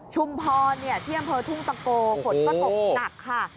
ชุมพรเนี่ยเที่ยงบริษัททุ่งตะโกขนก็ตกหนักค่ะ